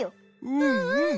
うんうん。